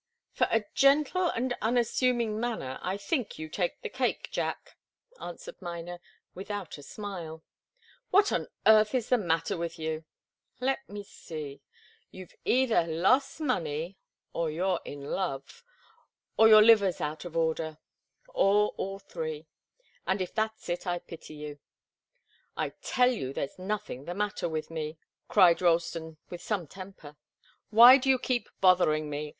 "For a gentle and unassuming manner, I think you take the cake, Jack," answered Miner, without a smile. "What on earth is the matter with you? Let me see you've either lost money, or you're in love, or your liver's out of order, or all three, and if that's it, I pity you." "I tell you there's nothing the matter with me!" cried Ralston, with some temper. "Why do you keep bothering me?